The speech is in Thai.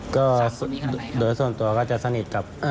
ก็โดยส่วนตัวก็จะสนิทกับ